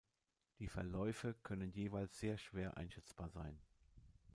Die Verläufe können jeweils sehr schwer einschätzbar sein.